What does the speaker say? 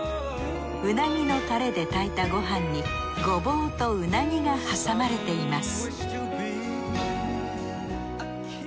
うなぎのタレで炊いたごはんにゴボウとうなぎが挟まれています